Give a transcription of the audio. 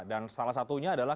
dan salah satunya adalah